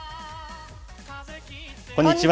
こんにちは。